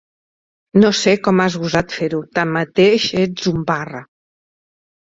No sé com has gosat fer-ho: tanmateix ets un barra.